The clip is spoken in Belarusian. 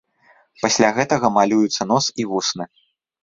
Пасля гэтага малююцца нос і вусны.